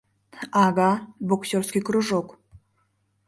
Ага, боксёрский кружок...